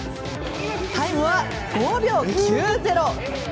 タイムは５秒９０！